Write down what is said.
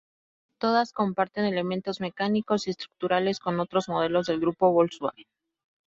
Todas comparten elementos mecánicos y estructurales con otros modelos del Grupo Volkswagen.